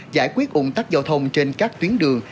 giải quyết ủng tắc giao thông trên các tuyến đường